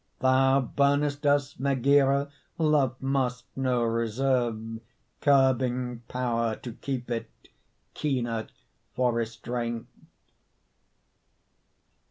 Thou burnest us, Megara, Love must know reserve, Curbing power to keep it Keener for restraint.